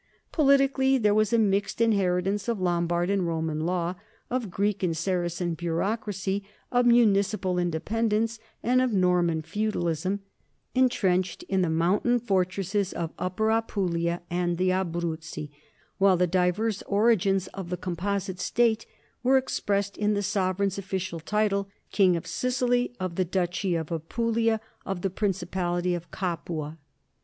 Politically, there was a mixed inheritance of Lombard and Roman law, of Greek and Saracen bureaucracy, of municipal inde pendence, and of Norman feudalism, entrenched in the mountain fortresses of upper Apulia and the Abruzzi; while the diverse origins of the composite state were ex pressed in the sovereign's official title, "king of Sicily, of the duchy of Apulia, and of the principality of Capua."